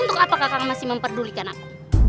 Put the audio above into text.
untuk apa kakak masih memperdulikan aku